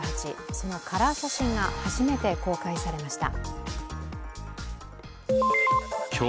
そのカラー写真が初めて公開されました。